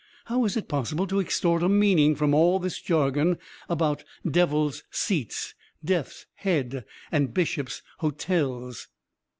How is it possible to extort a meaning from all this jargon about 'devil's seats,' 'death's head,' and 'bishop's hotels?'"